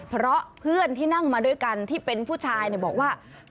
เพราะเพื่อนที่นั่งมาด้วยกันที่เป็นผู้ชายบอกว่า